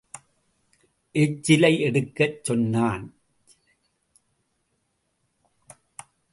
எச்சிலை எடுக்கச் சொன்னாளா?